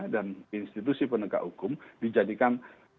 dan institusi penegak hukum dijadikan